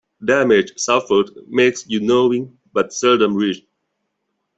Damage suffered makes you knowing, but seldom rich.